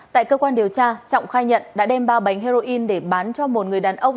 tại cơ quan điều tra trọng khai nhận đã đem ba bánh heroin để bán cho một người đàn ông